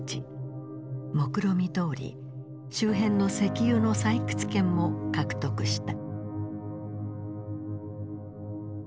もくろみどおり周辺の石油の採掘権も獲得した。